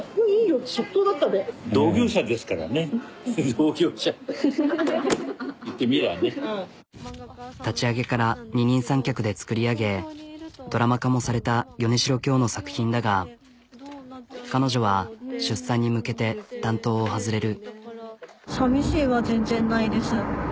同業者立ち上げから二人三脚で作り上げドラマ化もされた米代恭の作品だが彼女は出産に向けて担当を外れる。